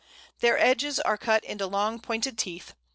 Their edges are cut into long pointed teeth.